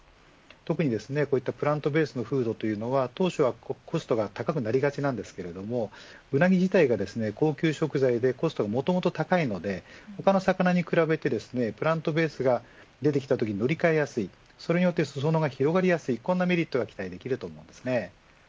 特にプラントベースのフードというのは当初はコストが高くなりがちですがうなぎ自体が高級食材でコストがもともと高いので他の魚に比べるとプラントベースが出てきたときに乗り換えやすいそれによって裾野が広がりやすいメリットがあります。